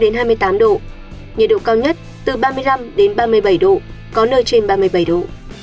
nhiệt độ cao nhất từ ba mươi năm ba mươi bảy độ có nơi trên ba mươi bảy độ